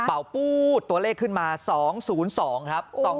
ปู๊ดตัวเลขขึ้นมา๒๐๒ครับ